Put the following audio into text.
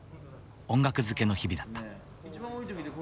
音楽づけの日々だった。